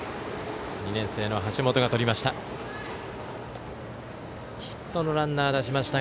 ２年生の橋本がとりました。